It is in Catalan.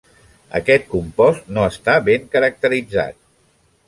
Aquest compost no està ben caracteritzat.